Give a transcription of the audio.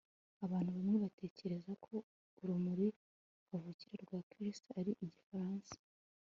Abantu bamwe batekereza ko ururimi kavukire rwa Chris ari igifaransa